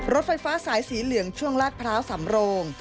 รถไฟฟ้าสายสีเหลืองช่วงลาดพร้าวสำโรง